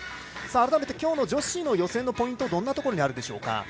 改めて今日の女子の予選のポイントはどんなところにあるでしょうか。